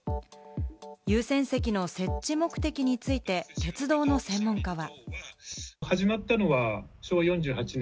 優先席の設置目的について、鉄道の専門家は。